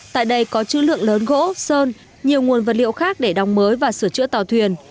tại đây có chữ lượng lớn gỗ sơn nhiều nguồn vật liệu khác để đóng mới và sửa chữa tàu thuyền